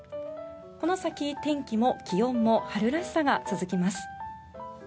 この先、天気も気温も春らしさが続きます。